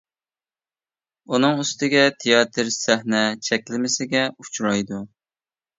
ئۇنىڭ ئۈستىگە تىياتىر سەھنە چەكلىمىسىگە ئۇچرايدۇ.